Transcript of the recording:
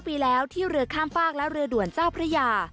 ปีแล้วที่เรือข้ามฟากและเรือด่วนเจ้าพระยา